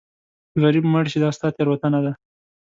که غریب مړ شې دا ستا تېروتنه ده.